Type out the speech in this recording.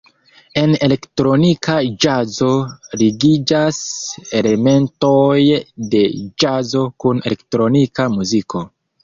En elektronika ĵazo ligiĝas elementoj de ĵazo kun elektronika muziko.